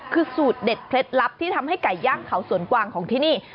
คือสูตรเด็ดเคล็ดลับที่ทำให้ไก่ย่างเขาสวนกวางของที่นี่